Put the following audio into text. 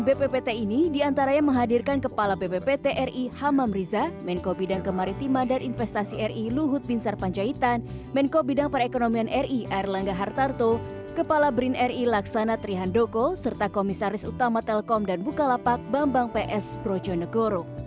bppt ini diantaranya menghadirkan kepala bppt ri hamam riza menko bidang kemaritima dan investasi ri luhut binsar panjaitan menko bidang perekonomian ri air langga hartarto kepala brin ri laksana trihandoko serta komisaris utama telkom dan bukalapak bambang ps projonegoro